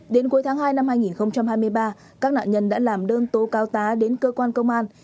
đến cuối tháng hai năm hai nghìn hai mươi ba các nạn nhân đã làm đơn tố cáo tá đến cơ quan công an